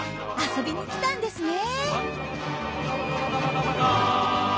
遊びに来たんですね。